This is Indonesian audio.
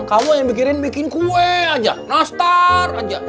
kamu yang mikirin bikin kue aja nastar aja